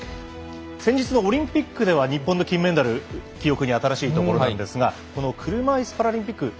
先月のオリンピックでは日本の金メダル記憶に新しいところなんですが車いすパラリンピック